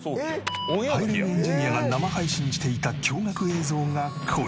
ハイレグエンジニアが生配信していた驚愕映像がこちら。